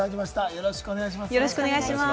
よろしくお願いします。